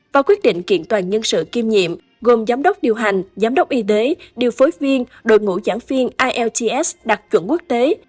và quyết định kiện toàn nhân sự kiêm nhiệm gồm giám đốc điều hành giám đốc y tế điều phối viên đội ngũ giảng viên ielts đạt chuẩn quốc tế